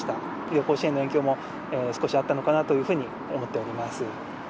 旅行支援の影響も少しあったのかなというふうに思っております。